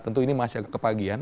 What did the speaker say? tentu ini masih agak kepagian